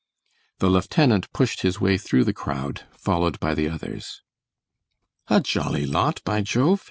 The lieutenant pushed his way through the crowd, followed by the others. "A jolly lot, by Jove!"